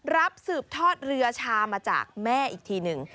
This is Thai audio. สืบทอดเรือชามาจากแม่อีกทีหนึ่ง